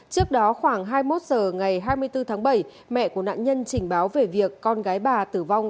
trước đó khoảng hai mươi một h ngày hai mươi bốn tháng bảy mẹ của nạn nhân trình báo về việc con gái bà tử vong